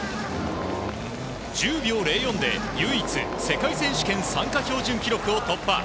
１０秒０４で唯一世界選手権参加標準記録を突破。